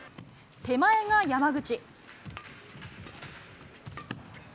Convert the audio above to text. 手前が山口。